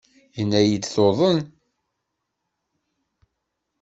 Yenna-iyi-d tuḍen.